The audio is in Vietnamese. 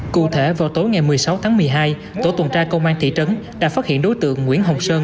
cụ thể vào tối ngày một mươi sáu tháng một mươi hai tổ tuần tra công an thị trấn đã phát hiện đối tượng nguyễn hồng sơn